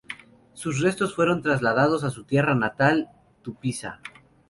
Sus restos fueron trasladados a su tierra natal, Tupiza.